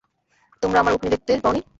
তোমরা আমার উটনী দেখতে পাওনি?